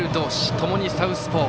ともにサウスポー。